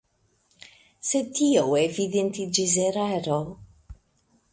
Sed tio evidentiĝis eraro.